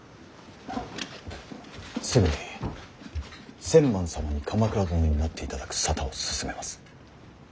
すぐに千幡様に鎌倉殿になっていただく沙汰を進めます。